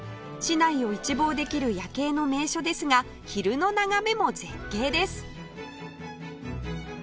市内を一望できる夜景の名所ですが昼の眺めも絶景です